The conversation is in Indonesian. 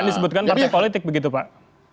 ini disebutkan partai politik begitu pak